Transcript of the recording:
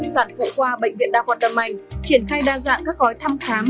sản phụ khoa bệnh viện đa khoa tâm anh triển khai đa dạng các gói thăm khám